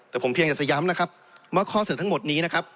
แต่ผมเพียงแต่จะย้ำนะครับว่าข้อเสนอทั้งหมดนี้นะครับ